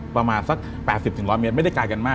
ประมาณสัก๘๐๑๐๐เมตรไม่ได้ไกลกันมาก